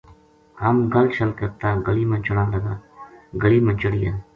ہم گل شل کر تا گلی ما چڑھاں لگا گلی ما چڑھیا